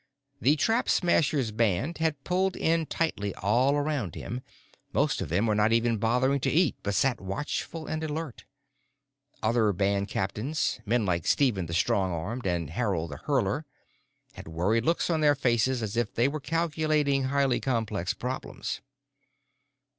The Trap Smasher's band had pulled in tightly all around him; most of them were not even bothering to eat but sat watchful and alert. Other band captains men like Stephen the Strong Armed and Harold the Hurler had worried looks on their faces as if they were calculating highly complex problems.